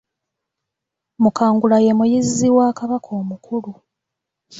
Mukangula ye muyizzi wa Kabaka omukulu